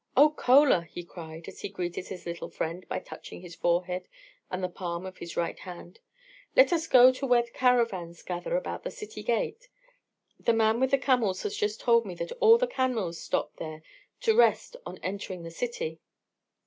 "Oh, Chola," he cried, as he greeted his little friend by touching his forehead and the palm of his right hand, "let us go to where the caravans gather about the city gate; the man with the camels has just told me that all the camels stopped there to rest on entering the city."